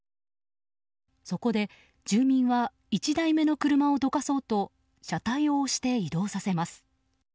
そこで住民は１台目の車をどかそうと車体を押して移動させます。